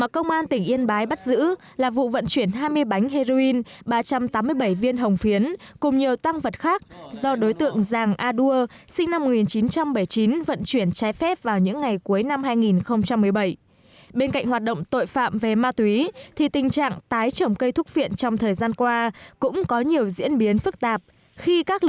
công an tỉnh yên bái liên tiếp triệt phá bắt giữ nhiều vụ vận chuyển mua bán trái phép chất ma túy quả thuốc phiện với số lượng lớn trên địa bàn